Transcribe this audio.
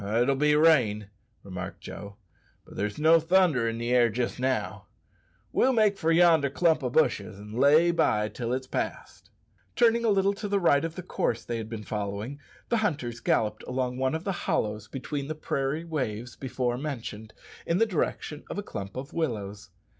"It'll be rain," remarked Joe; "but there's no thunder in the air jist now. We'll make for yonder clump o' bushes and lay by till it's past." Turning a little to the right of the course they had been following, the hunters galloped along one of the hollows between the prairie waves before mentioned, in the direction of a clump of willows.